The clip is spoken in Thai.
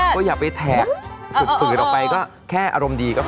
ก็อย่าไปแท็กฝืดออกไปก็แค่อารมณ์ดีก็พอ